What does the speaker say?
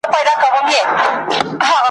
تابلوګاني، قندیلونه ساعتونه!.